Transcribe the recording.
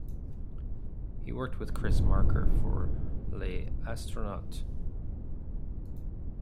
He worked with Chris Marker for "Les Astronautes".